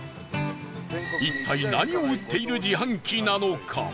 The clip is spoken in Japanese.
一体、何を売っている自販機なのか？